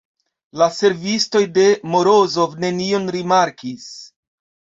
La servistoj de Morozov nenion rimarkis.